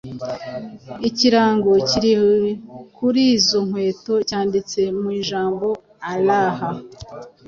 ikirango kiri kuri izo nkweto cyanditse mu ijambo Allah